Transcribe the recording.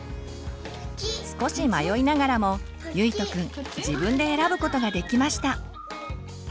少し迷いながらもゆいとくん自分で選ぶことができました。